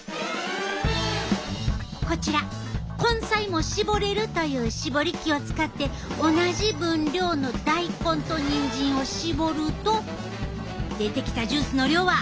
こちら根菜も搾れるという搾り機を使って同じ分量の大根とにんじんを搾ると出てきたジュースの量は。